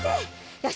よし。